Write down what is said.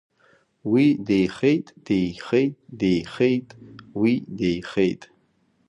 Уи деихеит, деихеит, деихеит, уи деихеит.